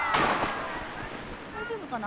大丈夫かな？